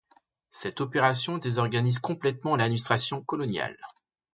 Cette opération désorganise complètement l'administration coloniale.